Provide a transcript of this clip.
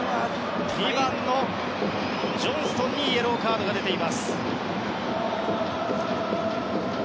２番、ジョンストンにイエローカードが出ています。